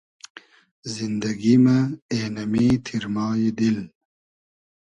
زیندئگی مۂ اېنۂ می تیرمای دیل